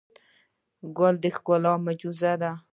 ګل د ښکلا معجزه ده.